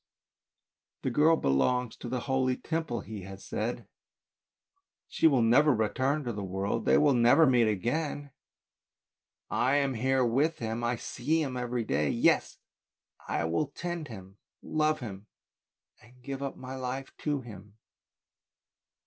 " The girl belongs to the holy Temple, he has said, she will never return to the world, they will never meet again, I am here with him, I see him every day. Yes ! I will tend him, love him, and give up my life to him."